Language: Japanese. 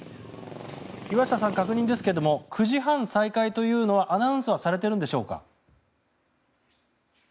岩下さん、確認ですが９時半再開というのはアナウンスはされてるんでしょうか。